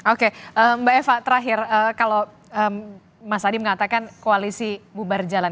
oke mbak eva terakhir kalau mas adi mengatakan koalisi bubar jalan